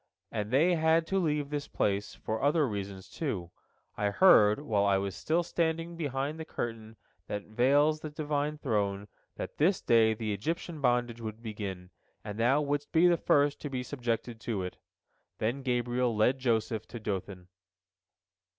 And they had to leave this place for other reasons, too. I heard, while I was still standing behind the curtain that veils the Divine throne, that this day the Egyptian bondage would begin, and thou wouldst be the first to be subjected to it." Then Gabriel led Joseph to Dothan.